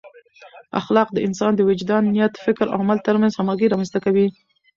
اخلاق د انسان د وجدان، نیت، فکر او عمل ترمنځ همغږۍ رامنځته کوي.